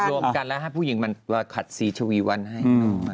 รวมกันแล้วให้ผู้หญิงมาขัดสีชวีวันให้